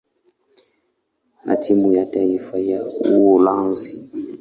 na timu ya taifa ya Uholanzi.